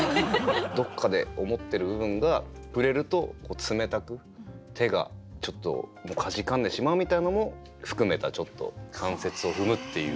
どっかで思ってる部分が触れると冷たく手がちょっとかじかんでしまうみたいのも含めた「残雪を踏む」っていう。